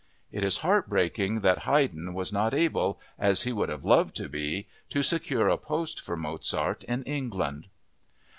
It is heartbreaking that Haydn was not able, as he would have loved to be, to secure a post for Mozart in England.